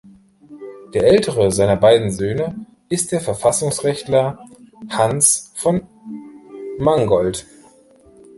Der ältere seiner beiden Söhne ist der Verfassungsrechtler Hans von Mangoldt.